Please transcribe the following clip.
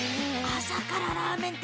朝からラーメン？